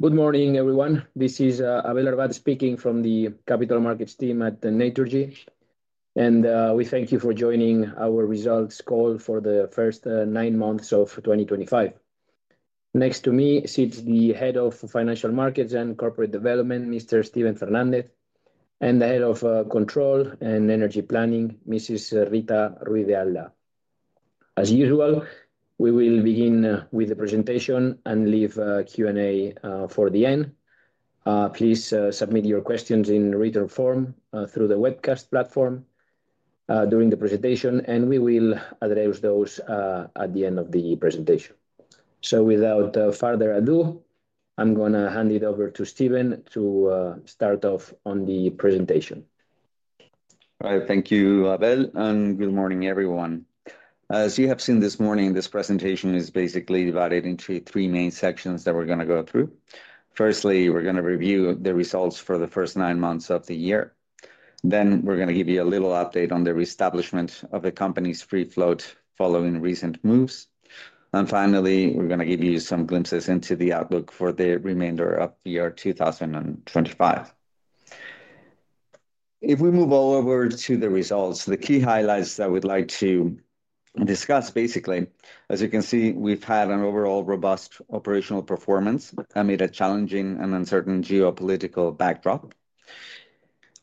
Good morning, everyone. This is Abel Arbat speaking from the Capital Markets team at Naturgy Energy Group. We thank you for joining our results call for the first nine months of 2025. Next to me sits the Head of Financial Markets and Corporate Development, Mr. Steven Douglas Fernández Fernández, and the Head of Control and Energy Planning, Mrs. Rita Ruiz de Alda. As usual, we will begin with the presentation and leave Q&A for the end. Please submit your questions in written form through the webcast platform during the presentation, and we will address those at the end of the presentation. Without further ado, I'm going to hand it over to Steven to start off on the presentation. Thank you, Abel, and good morning, everyone. As you have seen this morning, this presentation is basically divided into three main sections that we're going to go through. Firstly, we're going to review the results for the first nine months of the year. Then, we're going to give you a little update on the reestablishment of the company's free float following recent moves. Finally, we're going to give you some glimpses into the outlook for the remainder of the year 2025. If we move all over to the results, the key highlights that we'd like to discuss, basically, as you can see, we've had an overall robust operational performance amid a challenging and uncertain geopolitical backdrop.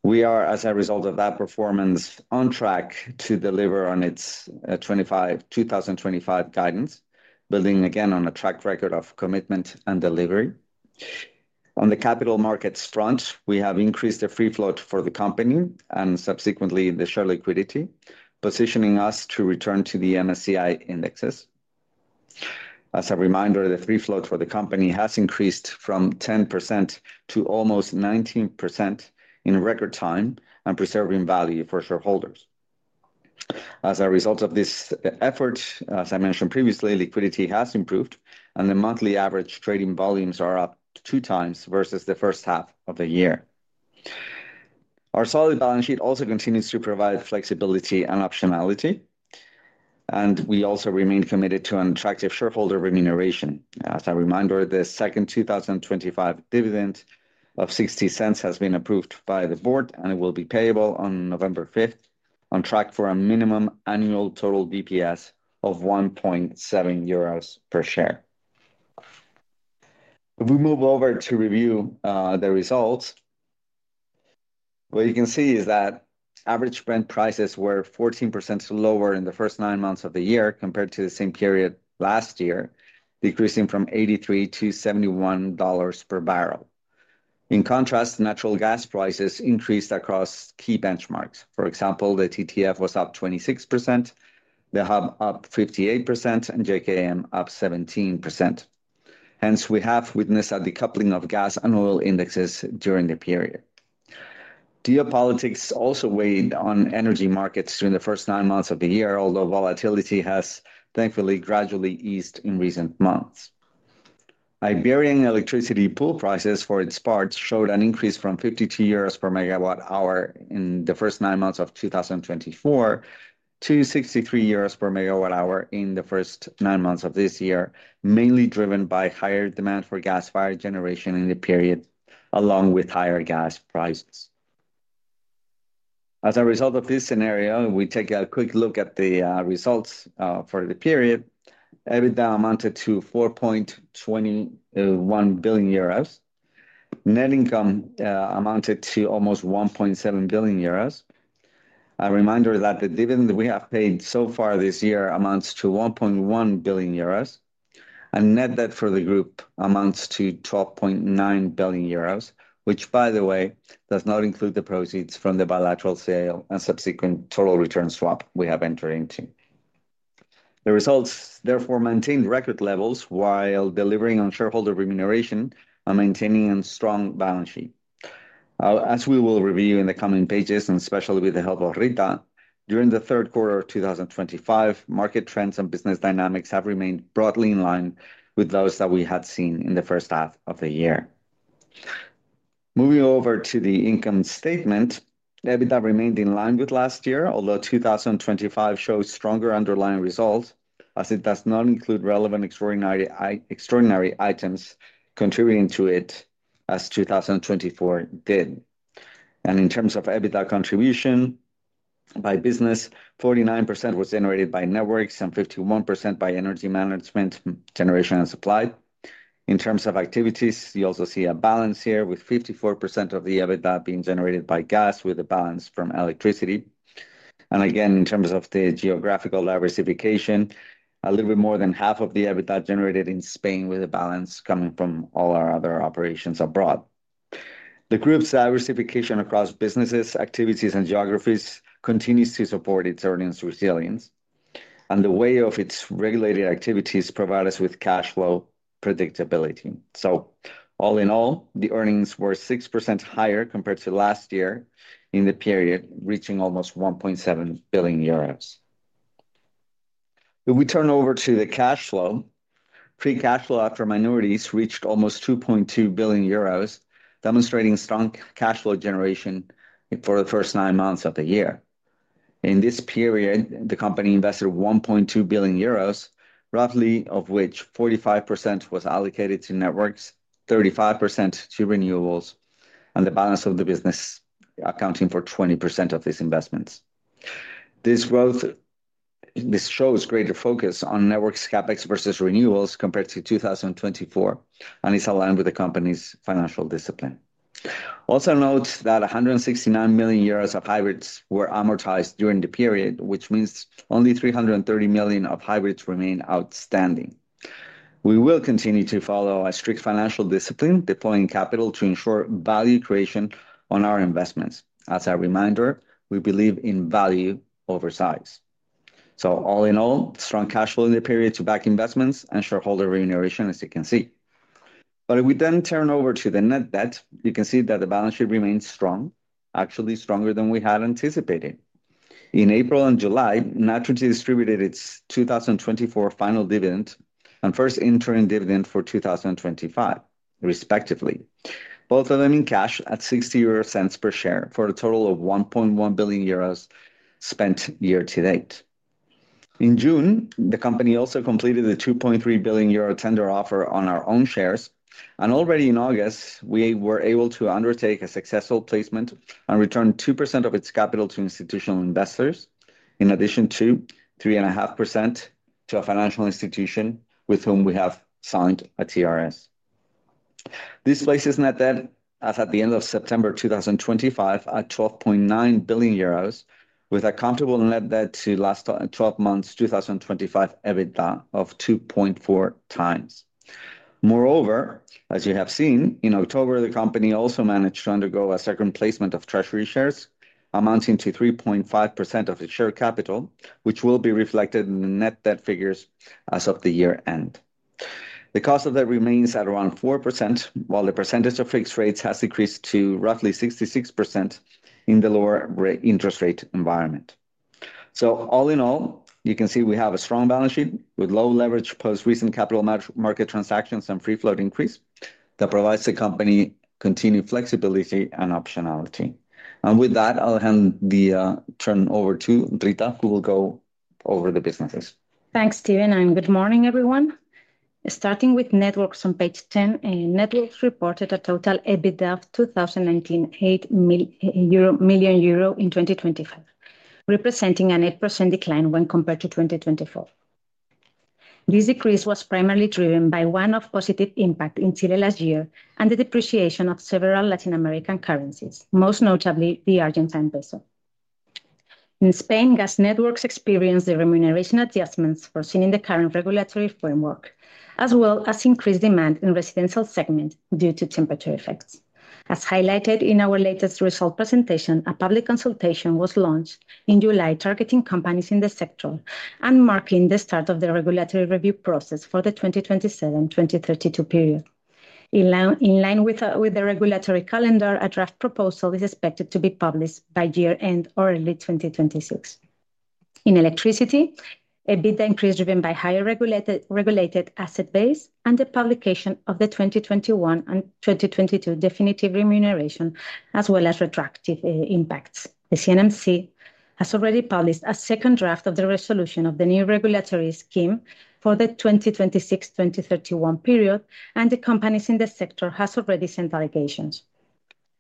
We are, as a result of that performance, on track to deliver on its 2025 guidance, building again on a track record of commitment and delivery. On the capital markets front, we have increased the free float for the company and subsequently the share liquidity, positioning us to return to the MSCI indexes. As a reminder, the free float for the company has increased from 10% to almost 19% in record time and preserving value for shareholders. As a result of this effort, as I mentioned previously, liquidity has improved and the monthly average trading volumes are up two times versus the first half of the year. Our solid balance sheet also continues to provide flexibility and optionality. We also remain committed to an attractive shareholder remuneration. As a reminder, the second 2025 dividend of 0.60 has been approved by the board and it will be payable on November 5th, on track for a minimum annual total DPS of 1.70 euros per share. If we move over to review the results, what you can see is that average Brent prices were 14% lower in the first nine months of the year compared to the same period last year, decreasing from $83 to $71 per barrel. In contrast, natural gas prices increased across key benchmarks. For example, the TTF was up 26%, the hub up 58%, and JKM up 17%. Hence, we have witnessed a decoupling of gas and oil indexes during the period. Geopolitics also weighed on energy markets during the first nine months of the year, although volatility has thankfully gradually eased in recent months. Iberian electricity pool prices for its part showed an increase from 52 euros per megawatt hour in the first nine months of 2024 to EUR 63 per megawatt hour in the first nine months of this year, mainly driven by higher demand for gas-fired generation in the period, along with higher gas prices. As a result of this scenario, we take a quick look at the results for the period. EBITDA amounted to 4.21 billion euros. Net income amounted to almost 1.7 billion euros. A reminder that the dividend that we have paid so far this year amounts to 1.1 billion euros, and net debt for the group amounts to 12.9 billion euros, which, by the way, does not include the proceeds from the bilateral sale and subsequent total return swap we have entered into. The results therefore maintained record levels while delivering on shareholder remuneration and maintaining a strong balance sheet. As we will review in the coming pages, and especially with the help of Rita, during the third quarter of 2025, market trends and business dynamics have remained broadly in line with those that we had seen in the first half of the year. Moving over to the income statement, EBITDA remained in line with last year, although 2025 shows stronger underlying results as it does not include relevant extraordinary items contributing to it as 2024 did. In terms of EBITDA contribution by business, 49% was generated by networks and 51% by energy management, generation, and supply. In terms of activities, you also see a balance here with 54% of the EBITDA being generated by gas with a balance from electricity. In terms of the geographical diversification, a little bit more than half of the EBITDA generated in Spain with a balance coming from all our other operations abroad. The group's diversification across businesses, activities, and geographies continues to support its earnings resilience. The way of its regulated activities provides us with cash flow predictability. All in all, the earnings were 6% higher compared to last year in the period, reaching almost 1.7 billion euros. If we turn over to the cash flow, free cash flow after minorities reached almost 2.2 billion euros, demonstrating strong cash flow generation for the first nine months of the year. In this period, the company invested 1.2 billion euros, roughly of which 45% was allocated to networks, 35% to renewables, and the balance of the business accounting for 20% of these investments. This growth shows greater focus on network CapEx versus renewables compared to 2024, and is aligned with the company's financial discipline. Also note that 169 million euros of hybrids were amortized during the period, which means only 330 million of hybrids remain outstanding. We will continue to follow a strict financial discipline, deploying capital to ensure value creation on our investments. As a reminder, we believe in value over size. All in all, strong cash flow in the period to back investments and shareholder remuneration, as you can see. If we then turn over to the net debt, you can see that the balance sheet remains strong, actually stronger than we had anticipated. In April and July, Naturgy distributed its 2024 final dividend and first interim dividend for 2025, respectively, both of them in cash at 0.60 per share for a total of 1.1 billion euros spent year to date. In June, the company also completed the 2.3 billion euro tender offer on our own shares, and already in August, we were able to undertake a successful placement and return 2% of its capital to institutional investors, in addition to 3.5% to a financial institution with whom we have signed a TRS. This places net debt, as at the end of September 2025, at 12.9 billion euros, with a comparable net debt to last 12 months' 2025 EBITDA of 2.4 times. Moreover, as you have seen, in October, the company also managed to undergo a second placement of treasury shares, amounting to 3.5% of its share capital, which will be reflected in the net debt figures as of the year end. The cost of that remains at around 4%, while the percentage of fixed rates has decreased to roughly 66% in the lower interest rate environment. All in all, you can see we have a strong balance sheet with low leverage post-recent capital market transactions and free float increase that provides the company continued flexibility and optionality. With that, I'll hand the turn over to Rita, who will go over the businesses. Thanks, Steven, and good morning, everyone. Starting with networks on page 10, networks reported a total EBITDA of 2.019 million euro in 2025, representing an 8% decline when compared to 2024. This decrease was primarily driven by one-off positive impacts in Chile last year and the depreciation of several Latin American currencies, most notably the Argentine peso. In Spain, gas networks experienced the remuneration adjustments foreseen in the current regulatory framework, as well as increased demand in the residential segment due to temperature effects. As highlighted in our latest result presentation, a public consultation was launched in July targeting companies in the sector and marking the start of the regulatory review process for the 2027-2032 period. In line with the regulatory calendar, a draft proposal is expected to be published by year end or early 2026. In electricity, EBITDA increase is driven by a higher regulated asset base and the publication of the 2021 and 2022 definitive remuneration, as well as retroactive impacts. The CNMC has already published a second draft of the resolution of the new regulatory scheme for the 2026-2031 period, and the companies in the sector have already sent allegations.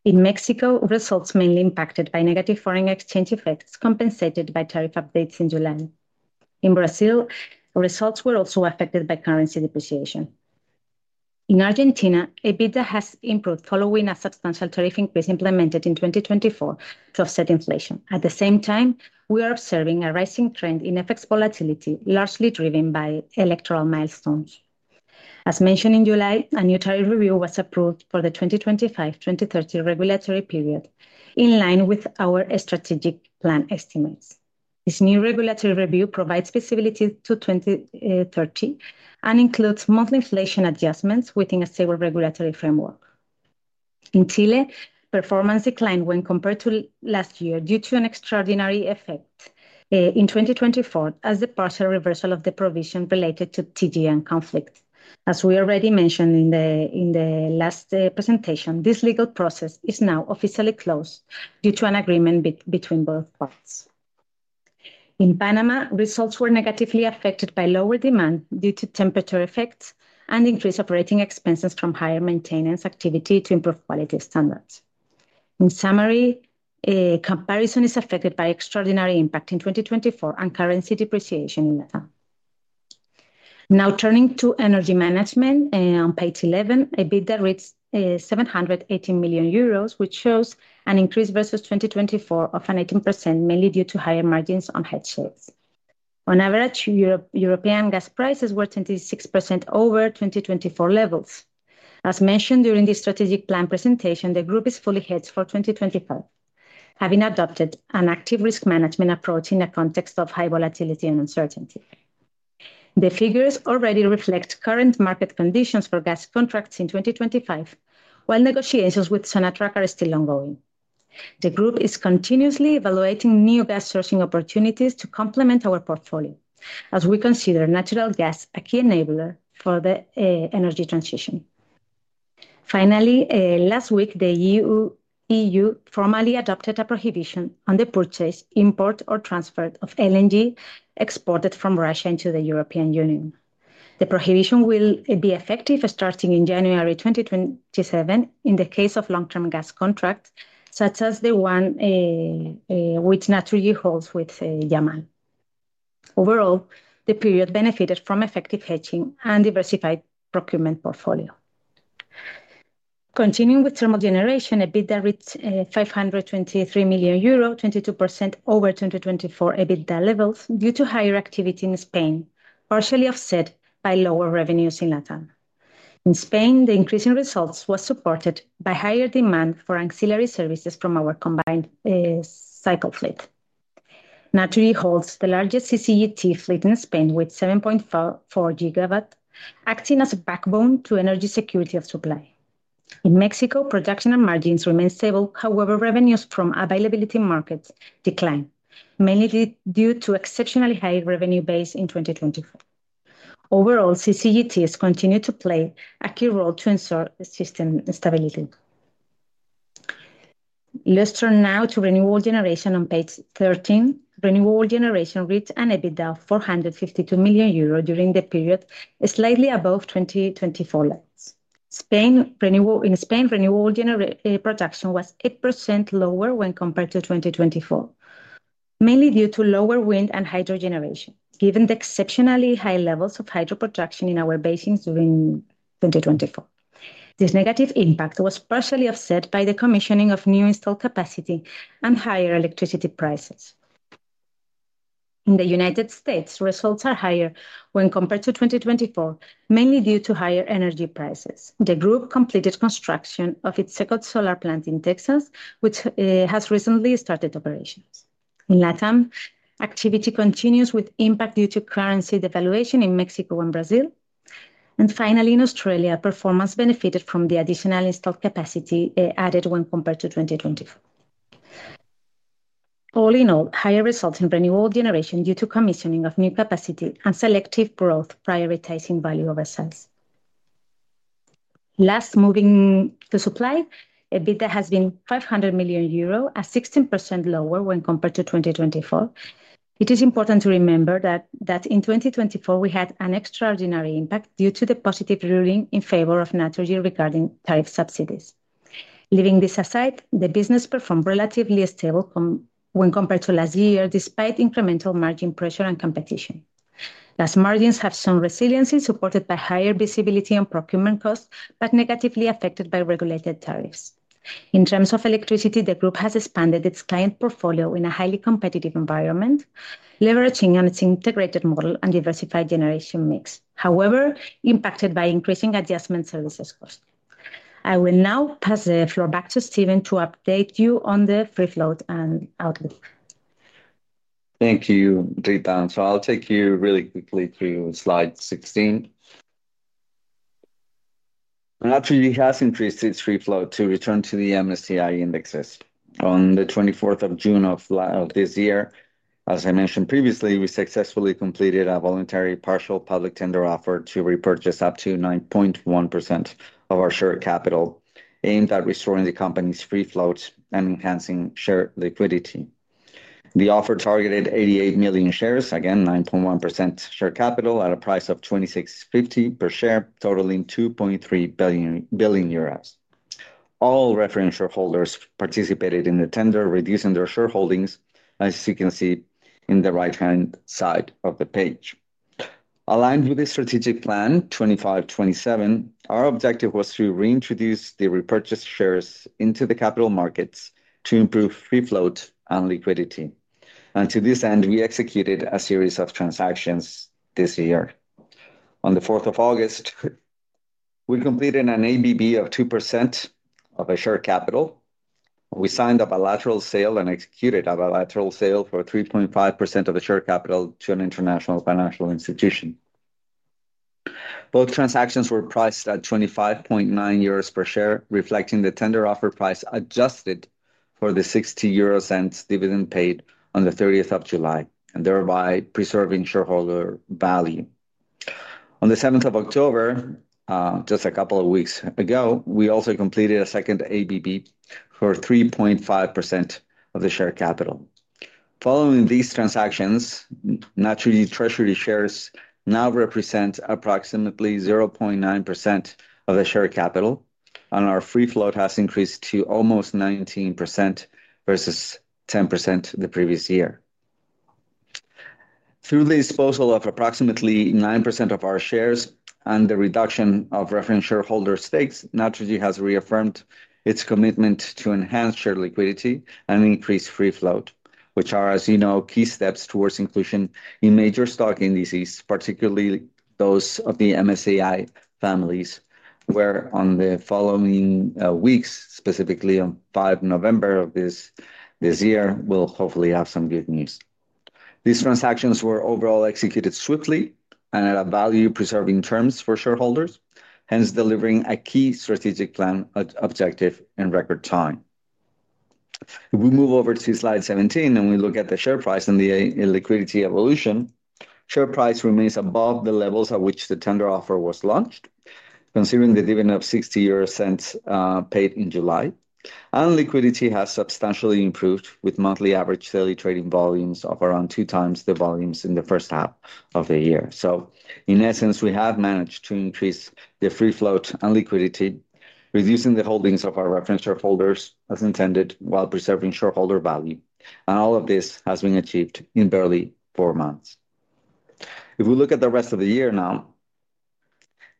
In Mexico, results were mainly impacted by negative foreign exchange effects compensated by tariff updates in July. In Brazil, results were also affected by currency depreciation. In Argentina, EBITDA has improved following a substantial tariff increase implemented in 2024 to offset inflation. At the same time, we are observing a rising trend in FX volatility, largely driven by electoral milestones. As mentioned in July, a new tariff review was approved for the 2025-2030 regulatory period, in line with our strategic plan estimates. This new regulatory review provides visibility to 2030 and includes monthly inflation adjustments within a stable regulatory framework. In Chile, performance declined when compared to last year due to an extraordinary effect in 2024, as the partial reversal of the provision related to TGN conflict. As we already mentioned in the last presentation, this legal process is now officially closed due to an agreement between both parties. In Panama, results were negatively affected by lower demand due to temperature effects and increased operating expenses from higher maintenance activity to improve quality standards. In summary, comparison is affected by extraordinary impact in 2024 and currency depreciation in Latin America. Now turning to energy management, on page 11, EBITDA reached 718 million euros, which shows an increase versus 2024 of 18%, mainly due to higher margins on hedging. On average, European gas prices were 26% over 2024 levels. As mentioned during the strategic plan presentation, the group is fully hedged for 2025, having adopted an active risk management approach in the context of high volatility and uncertainty. The figures already reflect current market conditions for gas contracts in 2025, while negotiations with Sonatrach are still ongoing. The group is continuously evaluating new gas sourcing opportunities to complement our portfolio, as we consider natural gas a key enabler for the energy transition. Finally, last week, the EU formally adopted a prohibition on the purchase, import, or transfer of LNG exported from Russia into the European Union. The prohibition will be effective starting in January 2027 in the case of long-term gas contracts, such as the one which Naturgy holds with Yamal. Overall, the period benefited from effective hedging and a diversified procurement portfolio. Continuing with thermal generation, EBITDA reached 523 million euro, 22% over 2024 EBITDA levels due to higher activity in Spain, partially offset by lower revenues in Latin America. In Spain, the increase in results was supported by higher demand for ancillary service demand from our combined cycle fleet. Naturgy holds the largest CCGT fleet in Spain with 7.4 GW, acting as a backbone to energy security of supply. In Mexico, production and margins remain stable, however, revenues from availability markets declined, mainly due to an exceptionally high revenue base in 2024. Overall, CCGTs continue to play a key role to ensure system stability. Let's turn now to renewable generation on page 13. Renewable generation reached an EBITDA of 452 million euros during the period, slightly above 2024 levels. In Spain, renewable production was 8% lower when compared to 2024, mainly due to lower wind and hydro generation, given the exceptionally high levels of hydro production in our basins during 2024. This negative impact was partially offset by the commissioning of new installed capacity and higher electricity prices. In the U.S., results are higher when compared to 2024, mainly due to higher energy prices. The group completed construction of its second solar plant in Texas, which has recently started operations. In Latin America, activity continues with impact due to currency devaluation in Mexico and Brazil. Finally, in Australia, performance benefited from the additional installed capacity added when compared to 2024. All in all, higher results in renewable generation due to commissioning of new capacity and selective growth, prioritizing value over size. Last, moving to supply, EBITDA has been 500 million euro, 16% lower when compared to 2024. It is important to remember that in 2024, we had an extraordinary impact due to the positive ruling in favor of Naturgy regarding tariff subsidies. Leaving this aside, the business performed relatively stable when compared to last year, despite incremental margin pressure and competition. Thus, margins have shown resiliency, supported by higher visibility on procurement costs, but negatively affected by regulated tariffs. In terms of electricity, the group has expanded its client portfolio in a highly competitive environment, leveraging on its integrated model and diversified generation mix, however, impacted by increasing adjustment services costs. I will now pass the floor back to Steven to update you on the free float and outlook. Thank you, Rita. I'll take you really quickly through slide 16. Naturgy has increased its free float to return to the MSCI indexes. On 24th of June of this year, as I mentioned previously, we successfully completed a voluntary partial public tender offer to repurchase up to 9.1% of our share capital, aimed at restoring the company's free float and enhancing share liquidity. The offer targeted 88 million shares, again, 9.1% share capital at a price of 26.50 per share, totaling 2.3 billion. All reference shareholders participated in the tender, reducing their shareholdings, as you can see on the right-hand side of the page. Aligned with the strategic plan 25/27, our objective was to reintroduce the repurchased shares into the capital markets to improve free float and liquidity. To this end, we executed a series of transactions this year. On 4th of August, we completed an ABB of 2% of the share capital. We signed and executed a bilateral sale for 3.5% of the share capital to an international financial institution. Both transactions were priced at 25.90 euros per share, reflecting the tender offer price adjusted for the 0.60 dividend paid on 30th of July, thereby preserving shareholder value. On 7th of October, just a couple of weeks ago, we also completed a second ABB for 3.5% of the share capital. Following these transactions, Naturgy treasury shares now represent approximately 0.9% of the share capital, and our free float has increased to almost 19% versus 10% the previous year. Through the disposal of approximately 9% of our shares and the reduction of reference shareholder stakes, Naturgy has reaffirmed its commitment to enhance share liquidity and increase free float, which are, as you know, key steps towards inclusion in major stock indices, particularly those of the MSCI families, where in the following weeks, specifically on 5 of November this year, we'll hopefully have some good news. These transactions were overall executed swiftly and at value-preserving terms for shareholders, hence delivering a key strategic plan objective in record time. If we move over to slide 17 and we look at the share price and the liquidity evolution, share price remains above the levels at which the tender offer was launched, considering the dividend of $0.60 paid in July, and liquidity has substantially improved with monthly average daily trading volumes of around two times the volumes in the first half of the year. In essence, we have managed to increase the free float and liquidity, reducing the holdings of our reference shareholders as intended, while preserving shareholder value. All of this has been achieved in barely four months. If we look at the rest of the year now,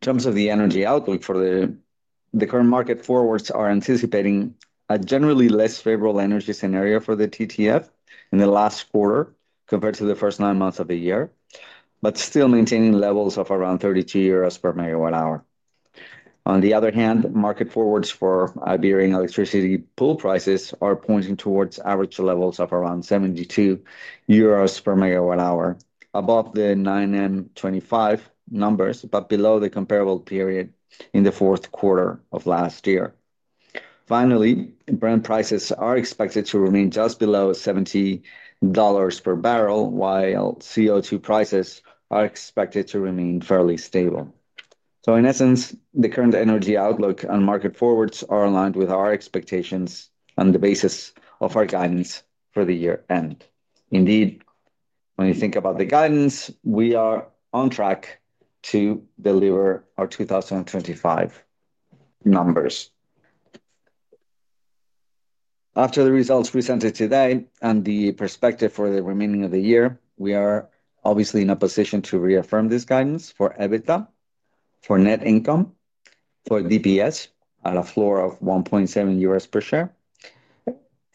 in terms of the energy outlook for the current market forwards, we are anticipating a generally less favorable energy scenario for the TTF in the last quarter compared to the first nine months of the year, but still maintaining levels of around 32 euros per megawatt hour. On the other hand, market forwards for Iberian electricity pool prices are pointing towards average levels of around 72 euros per megawatt hour, above the 9M25 numbers, but below the comparable period in the fourth quarter of last year. Finally, Brent prices are expected to remain just below $70 per barrel, while CO2 prices are expected to remain fairly stable. In essence, the current energy outlook and market forwards are aligned with our expectations on the basis of our guidance for the year end. Indeed, when you think about the guidance, we are on track to deliver our 2025 numbers. After the results presented today and the perspective for the remaining of the year, we are obviously in a position to reaffirm this guidance for EBITDA, for net income, for DPS at a floor of 1.7 per share,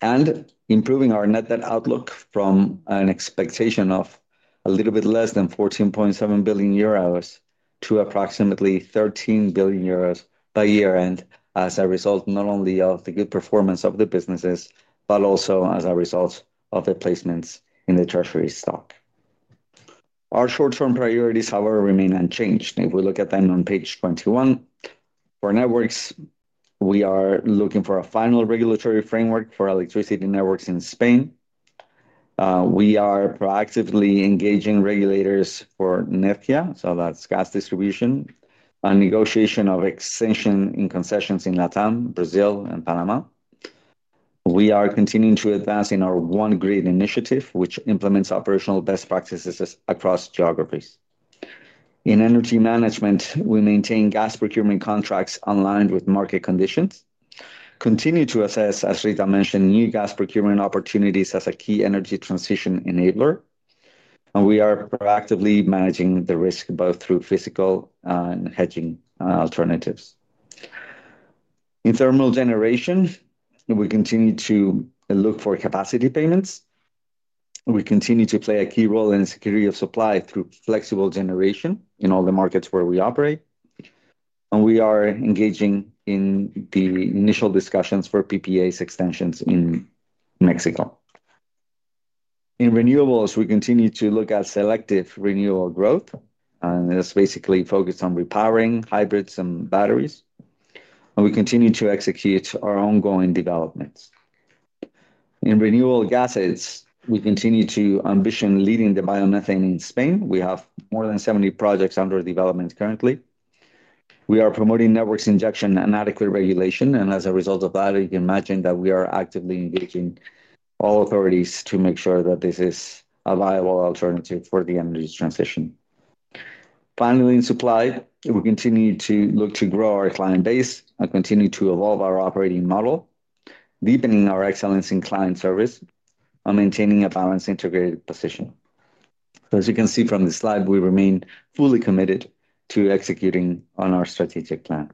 and improving our net debt outlook from an expectation of a little bit less than 14.7 billion euros to approximately 13 billion euros by year end, as a result not only of the good performance of the businesses, but also as a result of the placements in the treasury stock. Our short-term priorities, however, remain unchanged. If we look at them on page 21, for networks, we are looking for a final regulatory framework for electricity networks in Spain. We are proactively engaging regulators for Nedgia, so that's gas distribution, and negotiation of extension in concessions in Latin America, Brazil, and Panama. We are continuing to advance in our One Grid initiative, which implements operational best practices across geographies. In energy management, we maintain gas procurement contracts aligned with market conditions, continue to assess, as Rita mentioned, new gas procurement opportunities as a key energy transition enabler, and we are proactively managing the risk both through physical and hedging alternatives. In thermal generation, we continue to look for capacity payments. We continue to play a key role in the security of supply through flexible generation in all the markets where we operate, and we are engaging in the initial discussions for PPA's extensions in Mexico. In renewables, we continue to look at selective renewable growth, and it's basically focused on repowering hybrids and batteries, and we continue to execute our ongoing developments. In renewable gases, we continue to ambition leading the biomethane in Spain. We have more than 70 projects under development currently. We are promoting networks injection and adequate regulation, and as a result of that, you can imagine that we are actively engaging all authorities to make sure that this is a viable alternative for the energy transition. Finally, in supply, we continue to look to grow our client base and continue to evolve our operating model, deepening our excellence in client service, and maintaining a balanced integrated position. As you can see from this slide, we remain fully committed to executing on our strategic plan.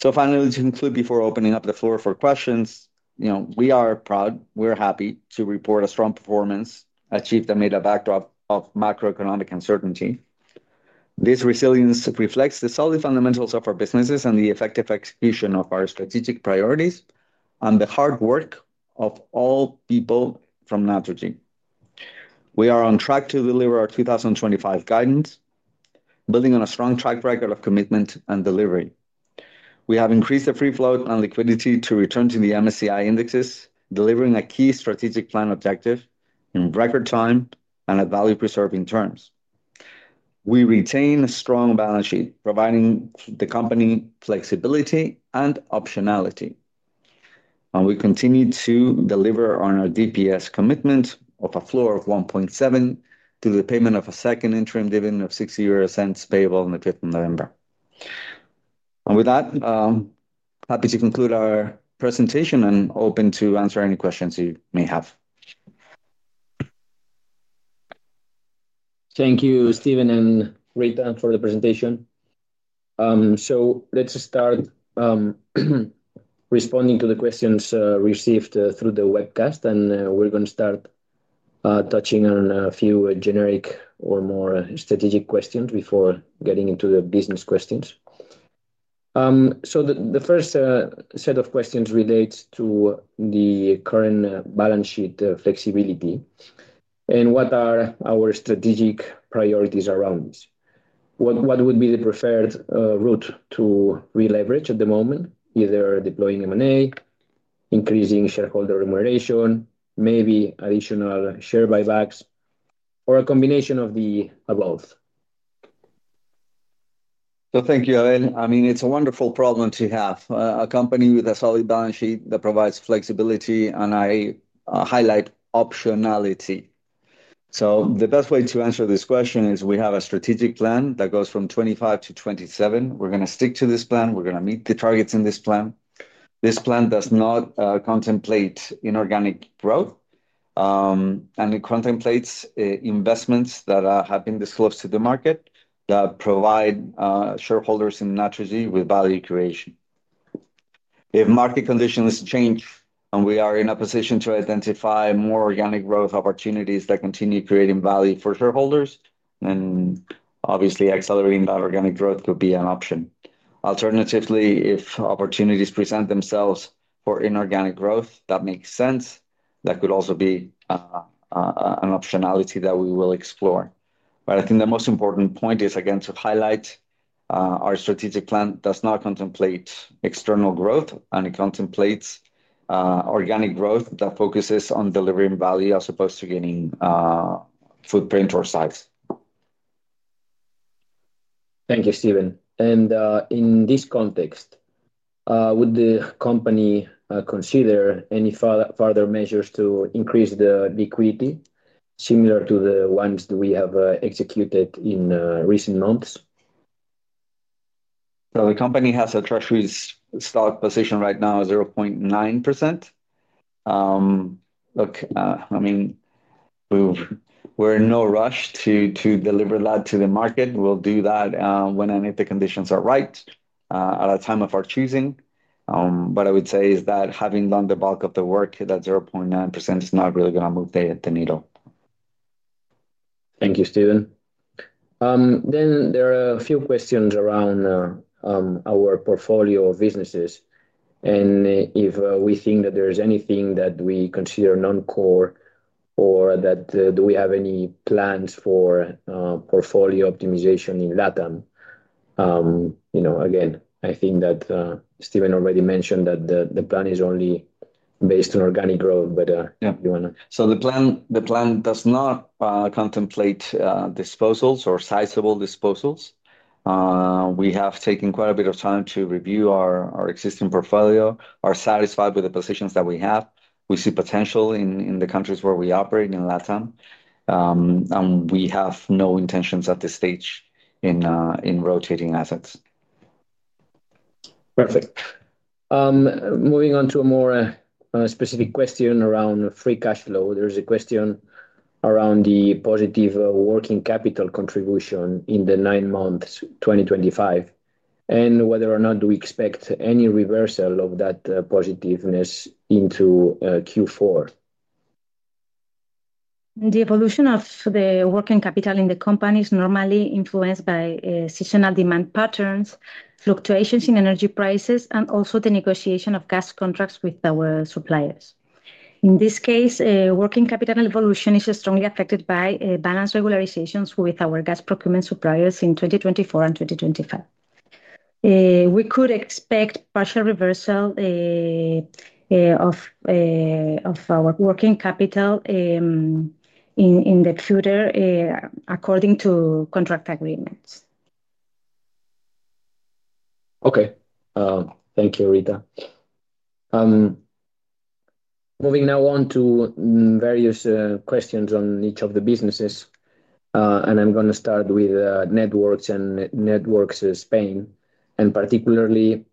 Finally, to conclude, before opening up the floor for questions, you know, we are proud. We're happy to report a strong performance achieved amid a backdrop of macroeconomic uncertainty. This resilience reflects the solid fundamentals of our businesses and the effective execution of our strategic priorities and the hard work of all people from Naturgy. We are on track to deliver our 2025 guidance, building on a strong track record of commitment and delivery. We have increased the free float and liquidity to return to the MSCI indexes, delivering a key strategic plan objective in record time and at value-preserving terms. We retain a strong balance sheet, providing the company flexibility and optionality, and we continue to deliver on our DPS commitment of a floor of 1.70 to the payment of a second interim dividend of 0.60 payable on the 5th of November. With that, I'm happy to conclude our presentation and open to answer any questions you may have. Thank you, Steven and Rita, for the presentation. Let's start responding to the questions received through the webcast. We're going to start touching on a few generic or more strategic questions before getting into the business questions. The first set of questions relates to the current balance sheet flexibility and what are our strategic priorities around this. What would be the preferred route to re-leverage at the moment, either deploying M&A, increasing shareholder remuneration, maybe additional share buybacks, or a combination of the above? Thank you, Abel. It's a wonderful problem to have a company with a solid balance sheet that provides flexibility, and I highlight optionality. The best way to answer this question is we have a strategic plan that goes from 2025 to 2027. We're going to stick to this plan. We're going to meet the targets in this plan. This plan does not contemplate inorganic growth, and it contemplates investments that have been disclosed to the market that provide shareholders in Naturgy with value creation. If market conditions change and we are in a position to identify more organic growth opportunities that continue creating value for shareholders, then obviously accelerating that organic growth could be an option. Alternatively, if opportunities present themselves for inorganic growth that makes sense, that could also be an optionality that we will explore. I think the most important point is, again, to highlight our strategic plan does not contemplate external growth and it contemplates organic growth that focuses on delivering value as opposed to gaining footprint or size. Thank you, Steven. In this context, would the company consider any further measures to increase the liquidity similar to the ones that we have executed in recent months? The company has a treasury stock position right now of 0.9%. I mean, we're in no rush to deliver that to the market. We'll do that when and if the conditions are right at a time of our choosing. What I would say is that having done the bulk of the work, that 0.9% is not really going to move the needle. Thank you, Steven. There are a few questions around our portfolio of businesses. If we think that there's anything that we consider non-core or if we have any plans for portfolio optimization in Latin America, I think that Steven already mentioned that the plan is only based on organic growth, but you want to... The plan does not contemplate disposals or sizable disposals. We have taken quite a bit of time to review our existing portfolio. We are satisfied with the positions that we have. We see potential in the countries where we operate in Latin, and we have no intentions at this stage in rotating assets. Perfect. Moving on to a more specific question around free cash flow, there is a question around the positive working capital contribution in the nine months 2025 and whether or not we expect any reversal of that positiveness into Q4. The evolution of the working capital in the company is normally influenced by seasonal demand patterns, fluctuations in energy prices, and also the negotiation of gas contracts with our suppliers. In this case, working capital evolution is strongly affected by balance regularizations with our gas procurement suppliers in 2024 and 2025. We could expect partial reversal of our working capital in the future according to contract agreements. Okay. Thank you, Rita. Moving now on to various questions on each of the businesses, and I'm going to start with Networks and Networks Spain, and particularly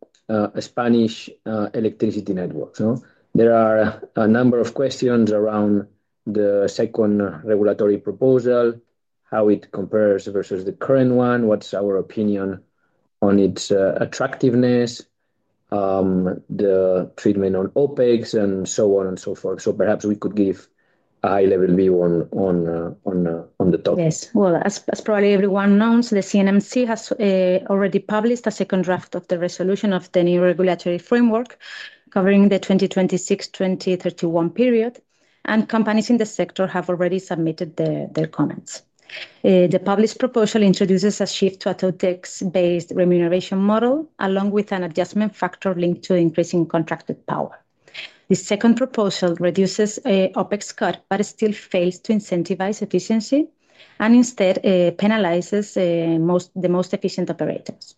Spanish Electricity Networks. There are a number of questions around the second regulatory proposal, how it compares versus the current one, what's our opinion on its attractiveness, the treatment on OPEX, and so on and so forth. Perhaps we could give a high-level view on the topic. Yes. As probably everyone knows, the CNMC has already published a second draft of the resolution of the new regulatory framework covering the 2026-2031 period, and companies in the sector have already submitted their comments. The published proposal introduces a shift to a TOTEX-based remuneration model, along with an adjustment factor linked to increasing contracted power. The second proposal reduces OPEX cut, but still fails to incentivize efficiency and instead penalizes the most efficient operators.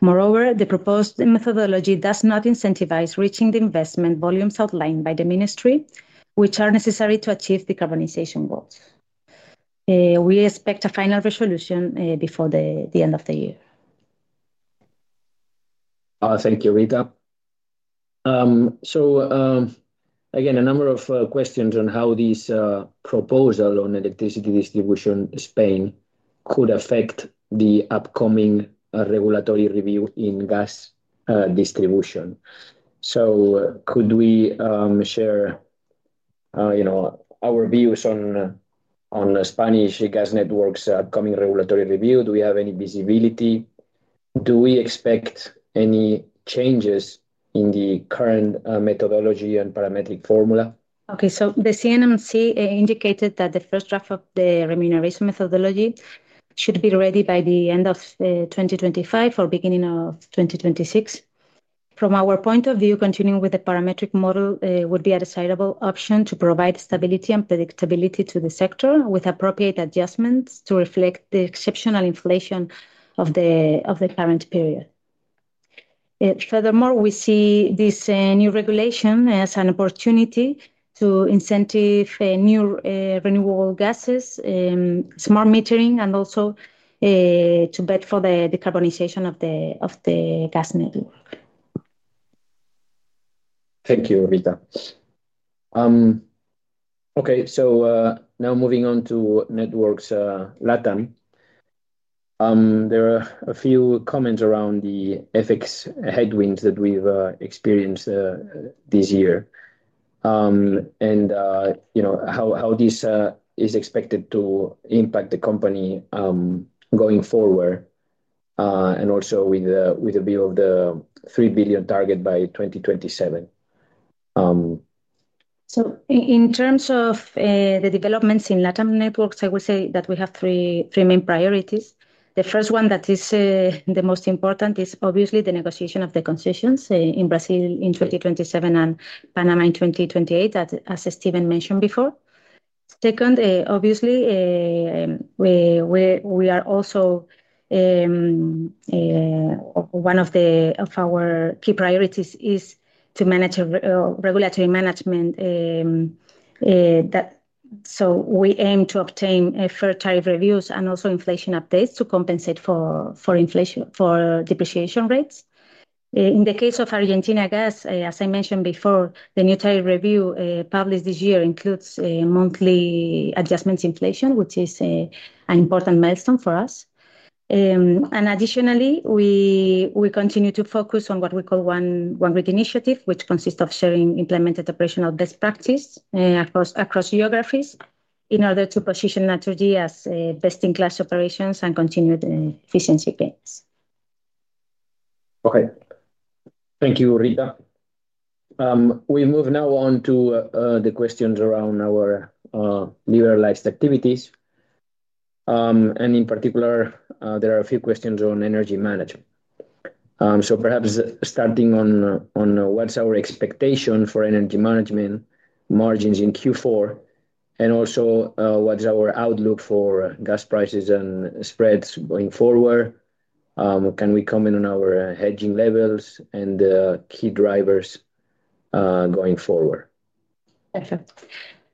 Moreover, the proposed methodology does not incentivize reaching the investment volumes outlined by the Ministry, which are necessary to achieve decarbonization goals. We expect a final resolution before the end of the year. Thank you, Rita. Again, a number of questions on how this proposal on electricity distribution in Spain could affect the upcoming regulatory review in gas distribution. Could we share our views on Spanish Gas Networks' upcoming regulatory review? Do we have any visibility? Do we expect any changes in the current methodology and parametric formula? Okay, so the CNMC indicated that the first draft of the remuneration methodology should be ready by the end of 2025 or beginning of 2026. From our point of view, continuing with the parametric model would be a desirable option to provide stability and predictability to the sector, with appropriate adjustments to reflect the exceptional inflation of the current period. Furthermore, we see this new regulation as an opportunity to incentive new renewable gases, smart metering, and also to bet for the decarbonization of the gas network. Thank you, Rita. Okay, so now moving on to Networks LATAM. There are a few comments around the FX headwinds that we've experienced this year, and how this is expected to impact the company going forward, and also with a view of the $3 billion target by 2027. In terms of the developments in LATAM Networks, I will say that we have three main priorities. The first one that is the most important is obviously the negotiation of the concessions in Brazil in 2027 and Panama in 2028, as Steven mentioned before. Second, obviously, we are also, one of our key priorities is to manage regulatory management. We aim to obtain fair tariff reviews and also inflation updates to compensate for depreciation rates. In the case of Argentina Gas, as I mentioned before, the new tariff review published this year includes monthly adjustments in inflation, which is an important milestone for us. Additionally, we continue to focus on what we call the One initiative, which consists of sharing implemented operational best practices across geographies in order to position Naturgy as best-in-class operations and continue the efficiency gains. Okay. Thank you, Rita. We move now on to the questions around our liberalized activities. In particular, there are a few questions on energy management. Perhaps starting on what's our expectation for energy management margins in Q4 and also what's our outlook for gas prices and spreads going forward? Can we comment on our hedging levels and key drivers going forward? Perfect.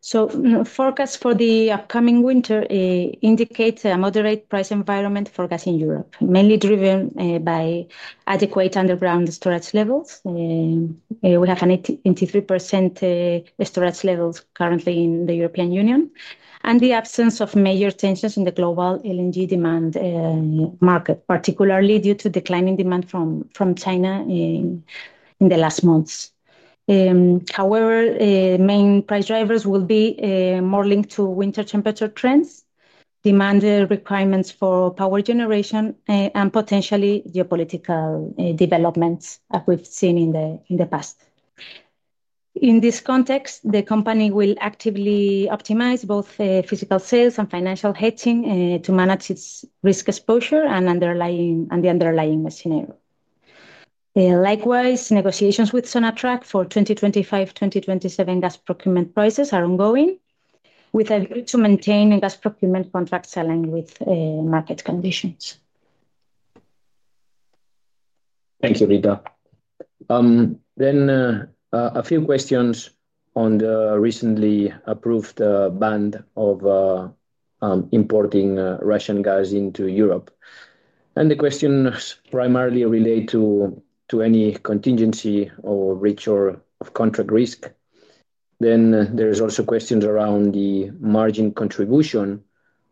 Forecasts for the upcoming winter indicate a moderate price environment for gas in Europe, mainly driven by adequate underground storage levels. We have an 83% storage level currently in the European Union and the absence of major tensions in the global LNG demand market, particularly due to declining demand from China in the last months. However, the main price drivers will be more linked to winter temperature trends, demand requirements for power generation, and potentially geopolitical developments as we've seen in the past. In this context, the company will actively optimize both physical sales and financial hedging to manage its risk exposure and the underlying scenario. Likewise, negotiations with Sonatrach for 2025-2027 gas procurement prices are ongoing, with a view to maintain gas procurement contracts aligned with market conditions. Thank you, Rita. A few questions on the recently approved ban of importing Russian gas into Europe. The questions primarily relate to any contingency or breach of contract risk. There are also questions around the margin contribution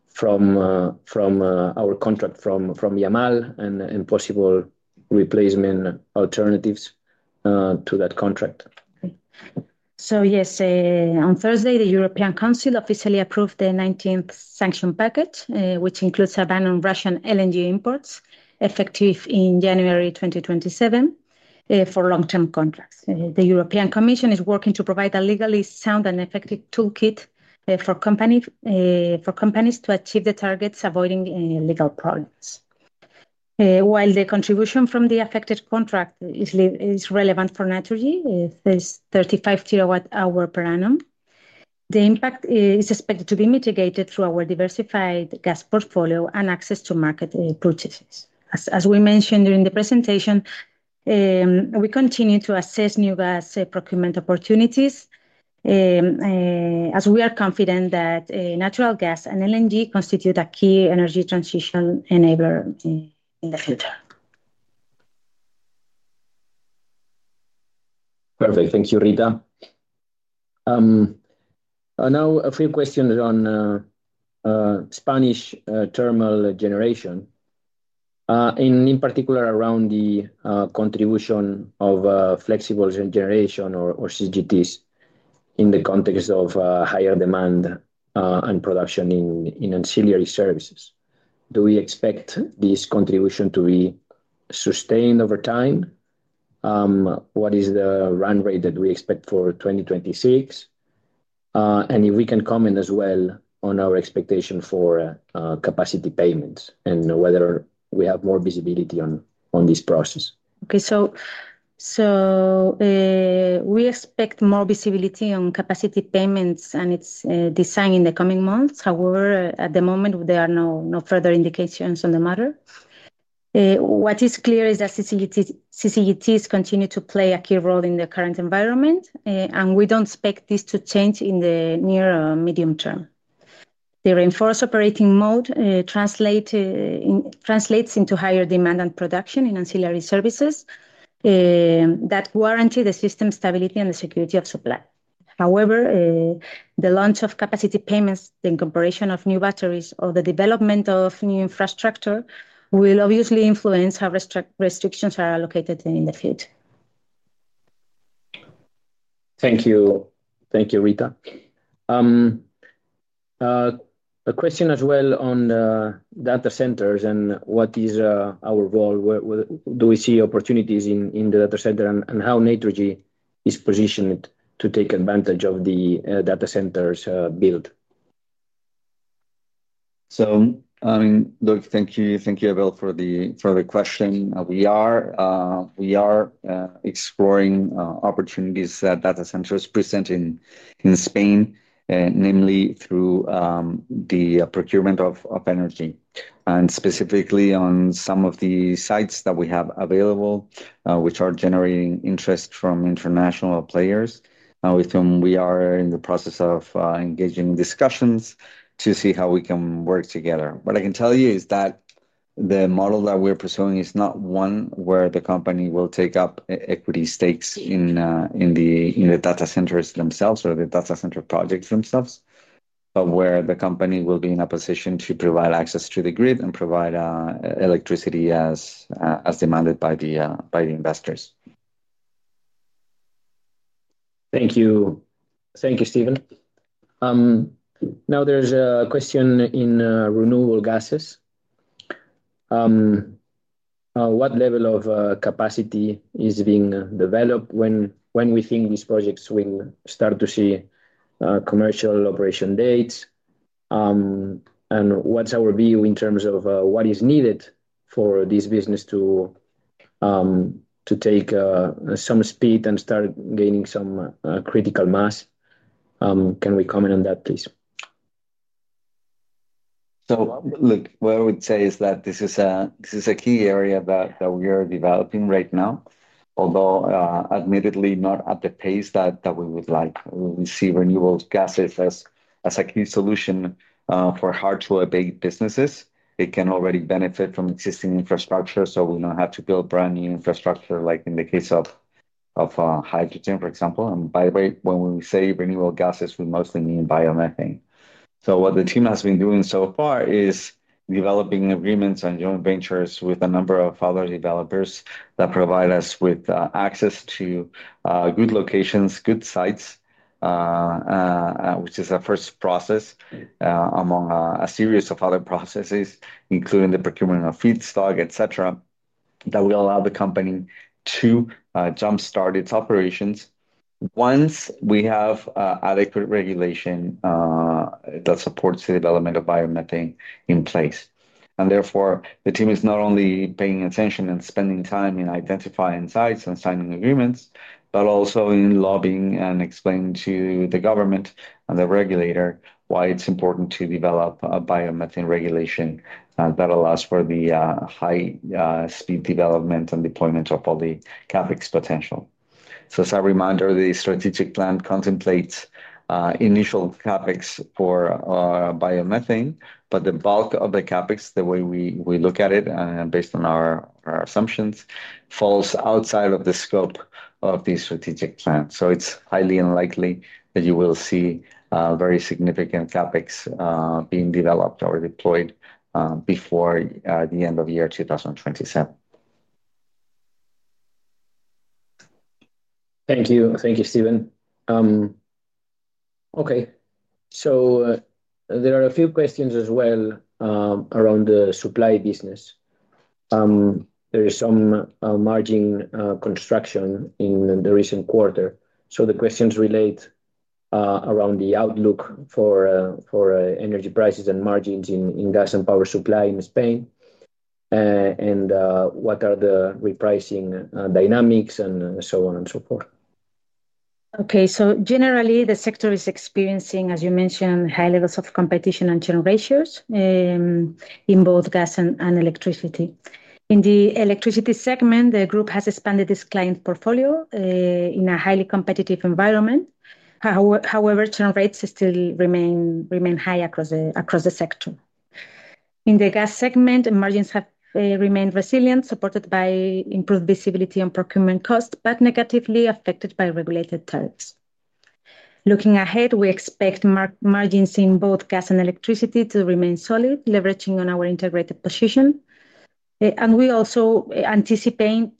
from our contract from Yamal and possible replacement alternatives to that contract. Yes, on Thursday, the European Council officially approved the 19th sanction package, which includes a ban on Russian LNG imports effective in January 2027 for long-term contracts. The European Commission is working to provide a legally sound and effective toolkit for companies to achieve the targets, avoiding legal problems. While the contribution from the affected contract is relevant for Naturgy, it is 35 kW-hours per annum. The impact is expected to be mitigated through our diversified gas portfolio and access to market purchases. As we mentioned during the presentation, we continue to assess new gas procurement opportunities as we are confident that natural gas and LNG constitute a key energy transition enabler in the future. Perfect. Thank you, Rita. Now, a few questions on Spanish thermal generation, in particular around the contribution of flexible generation or CCGTs in the context of higher demand and production in ancillary service demand. Do we expect this contribution to be sustained over time? What is the run rate that we expect for 2026? If we can comment as well on our expectation for capacity payments and whether we have more visibility on this process. Okay, so we expect more visibility on capacity payments and its design in the coming months. However, at the moment, there are no further indications on the matter. What is clear is that CCGTs continue to play a key role in the current environment, and we don't expect this to change in the near or medium term. The reinforced operating mode translates into higher demand and production in ancillary services that warrant the system stability and the security of supply. However, the launch of capacity payments, the incorporation of new batteries, or the development of new infrastructure will obviously influence how restrictions are allocated in the field. Thank you. Thank you, Rita. A question as well on the data centers and what is our role? Do we see opportunities in the data center and how Naturgy is positioned to take advantage of the data centers built? Thank you, Abel, for the question. We are exploring opportunities that data centers present in Spain, namely through the procurement of energy and specifically on some of the sites that we have available, which are generating interest from international players with whom we are in the process of engaging in discussions to see how we can work together. What I can tell you is that the model that we're pursuing is not one where the company will take up equity stakes in the data centers themselves or the data center projects themselves, but where the company will be in a position to provide access to the grid and provide electricity as demanded by the investors. Thank you. Thank you, Steven. There is a question in renewable gases. What level of capacity is being developed, when we think these projects will start to see commercial operation dates, and what's our view in terms of what is needed for this business to take some speed and start gaining some critical mass? Can we comment on that, please? What I would say is that this is a key area that we are developing right now, although admittedly not at the pace that we would like. We see renewable gases as a key solution for hard-to-abate businesses. It can already benefit from existing infrastructure, so we don't have to build brand new infrastructure like in the case of hydrogen, for example. By the way, when we say renewable gases, we mostly mean biomethane. What the team has been doing so far is developing agreements and joint ventures with a number of other developers that provide us with access to good locations, good sites, which is a first process among a series of other processes, including the procurement of feedstock, etc., that will allow the company to jumpstart its operations once we have adequate regulation that supports the development of biomethane in place. Therefore, the team is not only paying attention and spending time in identifying sites and signing agreements, but also in lobbying and explaining to the government and the regulator why it's important to develop a biomethane regulation that allows for the high-speed development and deployment of all the CapEx potential. As a reminder, the strategic plan contemplates initial CapEx for biomethane, but the bulk of the CapEx, the way we look at it and based on our assumptions, falls outside of the scope of the strategic plan. It's highly unlikely that you will see very significant CapEx being developed or deployed before the end of the year 2027. Thank you. Thank you, Steven. There are a few questions as well around the supply business. There is some margin construction in the recent quarter. The questions relate around the outlook for energy prices and margins in gas and power supply in Spain, and what are the repricing dynamics and so on and so forth. Okay, so generally, the sector is experiencing, as you mentioned, high levels of competition and churn ratios in both gas and electricity. In the electricity segment, the group has expanded its client portfolio in a highly competitive environment. However, churn rates still remain high across the sector. In the gas segment, margins have remained resilient, supported by improved visibility on procurement costs, but negatively affected by regulated tariffs. Looking ahead, we expect margins in both gas and electricity to remain solid, leveraging on our integrated position, and we also anticipate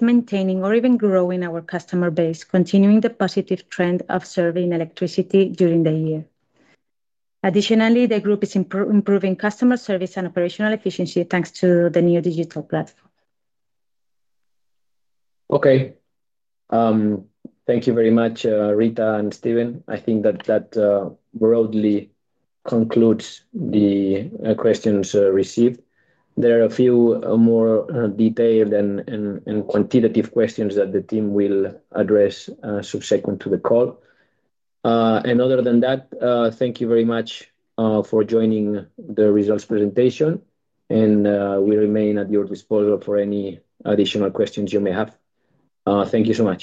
maintaining or even growing our customer base, continuing the positive trend of serving electricity during the year. Additionally, the group is improving customer service and operational efficiency thanks to the new digital platform. Okay, thank you very much, Rita and Steven. I think that broadly concludes the questions received. There are a few more detailed and quantitative questions that the team will address subsequent to the call. Other than that, thank you very much for joining the results presentation, and we remain at your disposal for any additional questions you may have. Thank you so much.